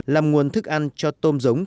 làm nguồn thức ăn cho tôm giống